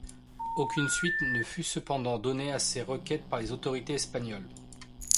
Aucune suite ne fut cependant donnée à ses requêtes par les autorités espagnoles.